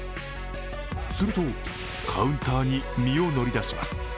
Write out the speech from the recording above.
するとカウンターに身を乗り出します。